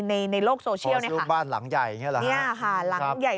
โปรดติดตามต่อไป